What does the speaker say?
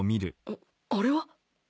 んあれは？